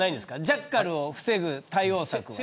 ジャッカルを防ぐ対応策は。